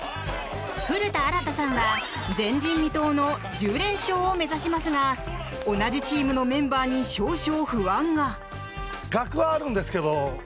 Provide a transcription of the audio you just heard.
古田新太さんは前人未到の１０連勝を目指しますが同じチームのメンバーに少々、不安が。